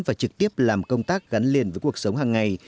và trực tiếp làm công tác gắn liền với cuộc sống hàng ngày